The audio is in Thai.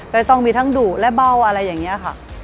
จะต้องมีทั้งดุและเบาอะไรอย่างนี้ค่ะ